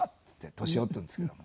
俊夫っていうんですけど。